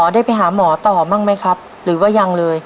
ได้ไปหาหมอต่อบ้างไหมครับหรือว่ายังเลย